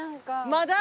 まだ？